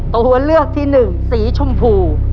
ตัวเลือกที่๑สีชมพู